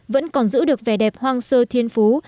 vẫn còn giữ được vẻ đẹp hoang sơ thiên phú